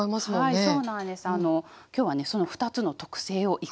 はい。